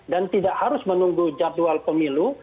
dan tidak harus menunggu jadwal pemilu